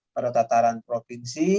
pada tataran provinsi